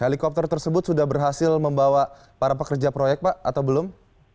helikopter tersebut sudah berhasil membawa para pekerja proyek pak atau belum